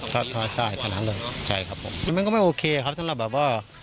ตีสองตีสามใช่ใช่ครับผมมันก็ไม่โอเคครับสำหรับแบบว่า